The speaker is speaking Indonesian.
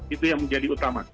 itu yang menjadi utama